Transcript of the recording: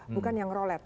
bukan yang rolet